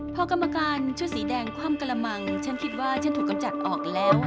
พอกรรมการชุดสีแดงคว่ำกระมังฉันคิดว่าฉันถูกกำจัดออกแล้ว